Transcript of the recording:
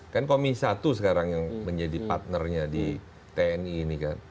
kan komisi satu sekarang yang menjadi partnernya di tni ini kan